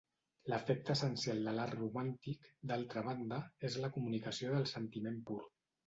L'efecte essencial de l'art romàntic, d'altra banda, és la comunicació del sentiment pur.